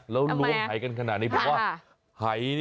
แล้วล้วงไข่กันขนาดนี้